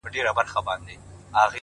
پرېږده د خوار ژوند ديوه گړي سخا واخلمه;